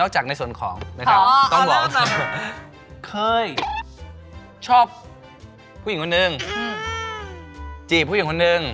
จีบผู้หญิงคนหนึ่ง